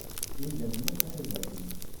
Imdanen akk iḥuza-ten.